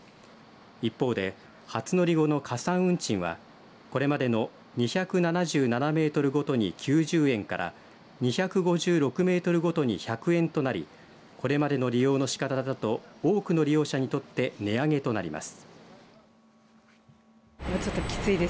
一方で初乗り後の加算運賃はこれまでの２７７メートルごとに９０円から２５６メートルごとに１００円となりこれまでの利用の仕方だと多くの利用者にとって値上げとなります。